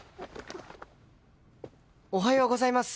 おはようございます。